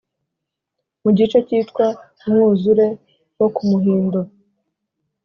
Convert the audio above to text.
mu gice cyitwa “umwuzure wo ku muhindo,